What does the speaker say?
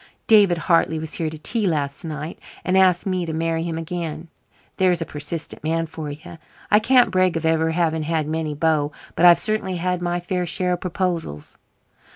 "David Hartley was here to tea last night, and asked me to marry him again. There's a persistent man for you. I can't brag of ever having had many beaux, but I've certainly had my fair share of proposals."